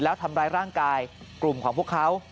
แล้วทำร้ายร่างกายกลุ่มของพวกเขา